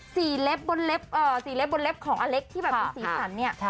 สีเล็บบนเล็บของอเล็กค์ที่แบบสีสันเนี่ย